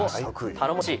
頼もしい。